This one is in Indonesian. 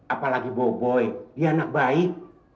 apalagi boboi dia anak baik